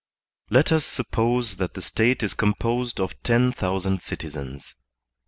Let us suppose that the State is composed of ten thousand citizens.